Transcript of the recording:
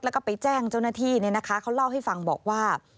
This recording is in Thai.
แล้วก็ไปแจ้งเจ้าหน้าที่เขาเล่าให้ฟังบอกว่า